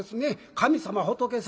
「神様仏様」。